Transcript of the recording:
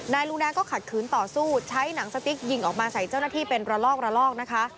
ลุงแดงก็ขัดขืนต่อสู้ใช้หนังสติ๊กยิงออกมาใส่เจ้าหน้าที่เป็นระลอกระลอกนะคะ